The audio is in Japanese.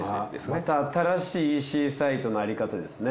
また新しいＥＣサイトのあり方ですね。